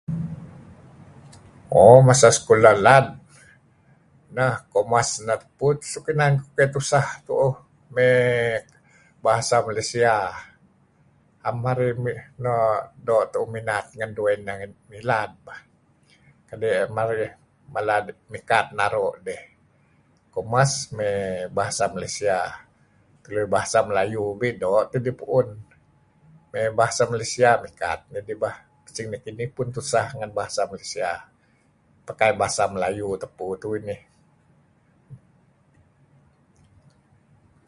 Oo masa sekolah lad commerce nah tebuut inan kuh tuseh tuuh may Bahasa Malaysia. 'Am marih doo' tuuh minat ngen nuk ineh dueh inah ngilad bah. Kadi' marih mala mikat naru' dih. Commerce may Bahasa Malaysia. Uih lam Bahasa Melayu doo' tidih puun may Bahasa Malaysia mikat dih pah. Macing nekinih tuseh ngen Bahasa Malaysia. Pakai Bahasa Melayu tupu tuih nih.